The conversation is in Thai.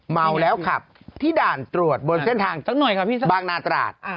เมาแล้วครับที่ด่านตรวจบนเส้นทางบางนาตราต